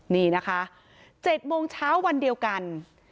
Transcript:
นี่นะคะ๗โมงเช้าวันเดียวกัน